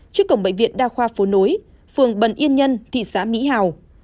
trước cổng bệnh viện đa khoa phố nối phường bần yên nhân thị xã mỹ hào